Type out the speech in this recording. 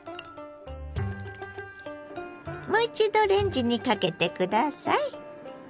もう一度レンジにかけて下さい。